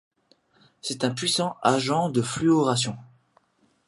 C'est un puissant agent de fluoration.